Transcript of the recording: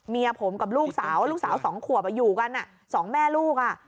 เมียผมกับลูกสาวลูกสาวสองขวบอยู่กันสองแม่ลูก